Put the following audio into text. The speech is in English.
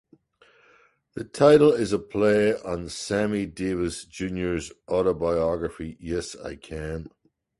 The title is a play on Sammy Davis, Junior's autobiography "Yes, I Can".